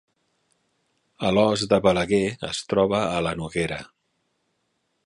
Alòs de Balaguer es troba a la Noguera